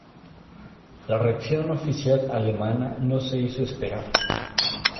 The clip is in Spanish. La reacción oficial alemana no se hizo esperar.